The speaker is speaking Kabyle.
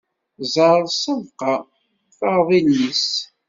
Ẓeṛ ssabqa, taɣeḍ illi-s!